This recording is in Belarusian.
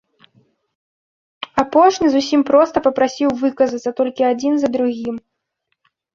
Апошні зусім проста папрасіў выказацца, толькі адзін за другім.